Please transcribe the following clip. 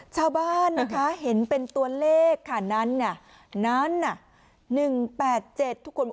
ชาวบ้านนะคะเห็นเป็นตัวเลขค่ะนั้นนั้นน่ะหนึ่งแปดเจ็ดทุกคน